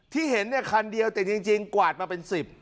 ที่เห็นเนี่ยคันเดียวแต่จริงกวาดมาเป็น๑๐